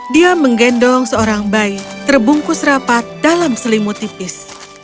dia menggendong seorang bayi terbungkus rapat dalam selimut tipis